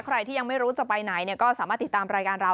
ใครที่ยังไม่รู้จะไปไหนก็สามารถติดตามรายการเรา